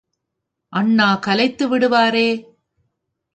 அண்ணா கலைத்து விடுவாரே!